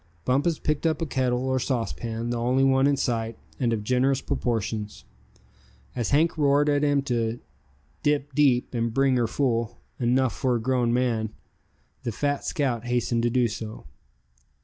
Bumpus picked up a kettle or saucepan, the only one in sight, and of generous proportions. As Hank roared at him to "dip deep, and bring her full, enough for a grown man," the fat scout hastened to do so.